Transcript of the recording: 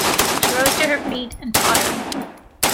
She rose to her feet, and tottered.